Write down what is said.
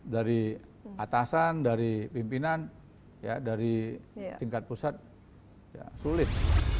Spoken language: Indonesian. dari atasan dari pimpinan dari tingkat pusat ya sulit